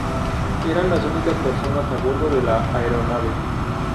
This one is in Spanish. Eran las únicas personas a bordo de la aeronave.